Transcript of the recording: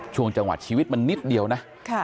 ช่วงจังหวัดชีวิตมันนิดเดียวนะ